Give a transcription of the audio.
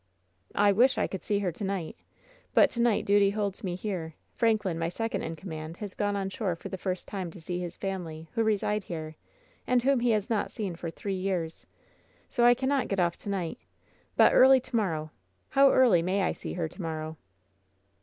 "I wish I could see her to night But to night duty holds me here. Franklin, my second in command, has gone on shore for the first time to see his family, who reside here, and whom he has not seen for three years. So I cannot get off to night! But early to morrow! How early may I see her to morrow?"